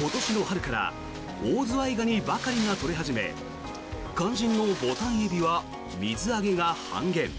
今年の春からオオズワイガニばかりが取れ始め肝心のボタンエビは水揚げが半減。